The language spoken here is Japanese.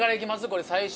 これ最初。